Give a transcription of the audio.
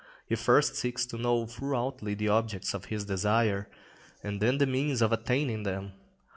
He first seeks to know thoroughly the objects of his desire, and then the means of attaining them.